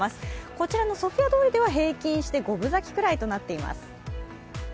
こちらのソフィア通りでは平均して五分咲きぐらいになっています。